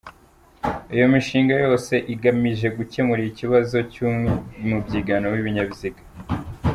Iyo mishinga yose igamije gukemura ikibazo cy’umubyigano w’ibinyabiziga.